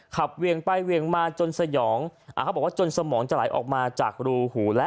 เวียงไปเวียงมาจนสยองอ่าเขาบอกว่าจนสมองจะไหลออกมาจากรูหูแล้ว